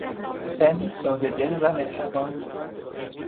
زنی سادهدل و مهربان